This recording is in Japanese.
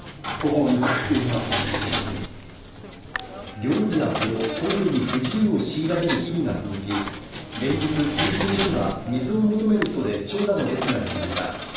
料理や風呂、トイレに不自由を強いられる日々が続き、連日、給水所には水を求める人で長蛇の列ができました。